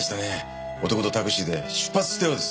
男とタクシーで出発したようです。